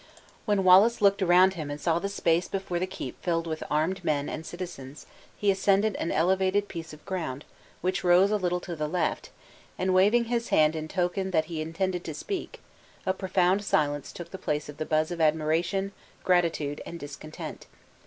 When Wallace looked around him and saw the space before the keep filled with armed men and citizens, he ascended an elevated piece of ground, which rose a little to the left, and waving his hand in token that he intended to speak, a profound silence took place of the buzz of admiration, gratitude, and discontent.